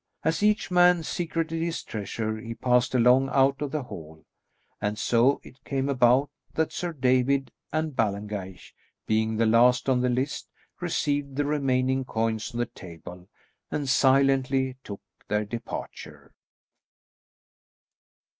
As each man secreted his treasure he passed along out of the hall; and so it came about that Sir David and Ballengeich, being the last on the list, received the remaining coins on the table, and silently took their departure.